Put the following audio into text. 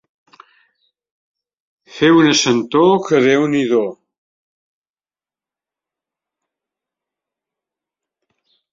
Fer una sentor que déu-n'hi-do.